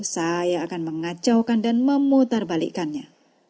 saya akan mengacaukan dan memutarbalikannya